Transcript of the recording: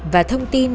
và thông tin